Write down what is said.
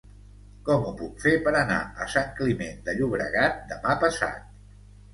Com ho puc fer per anar a Sant Climent de Llobregat demà passat?